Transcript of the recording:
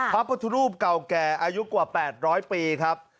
พระพุทธรูปเก่าแก่อายุกว่า๘๐๐ปีครับ